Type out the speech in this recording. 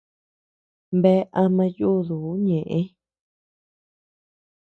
Bea ama yuduu ñeʼë.